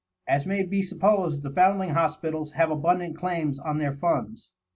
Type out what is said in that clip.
As may be supposed, the foundling hospitals have abundant claims on their funds.